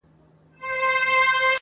چي پیدا دی له قسمته څخه ژاړي!.